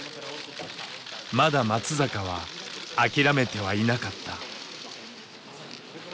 まだ松坂は諦めてはいなかった。